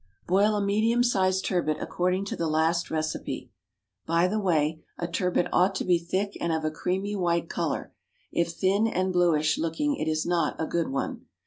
= Boil a medium sized turbot according to the last recipe by the way, a turbot ought to be thick and of a creamy white colour; if thin and bluish looking it is not a good one.